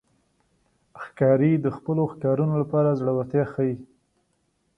ښکاري د خپلو ښکارونو لپاره زړورتیا ښيي.